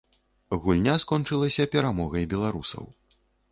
Гульня скончылася перамогай беларусаў.